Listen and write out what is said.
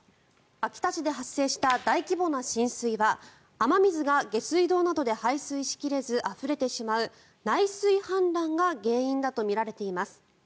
秋田市で発生した大規模な浸水は雨水が下水道などで排水しきれずあふれてしまう内水氾濫が原因だとみられています。